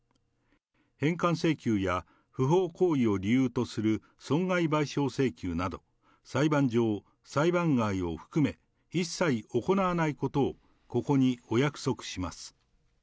返還請求や不法行為を理由とする損害賠償請求など、裁判上、裁判外を含め、一切行わないことをここにお約束します。